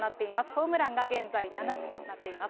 ホームランが現在７つとなっています。